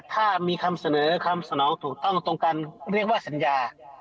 ถ้ามีคำเสนอคำสนองถูกต้องตรงกันเรียกว่าสัญญา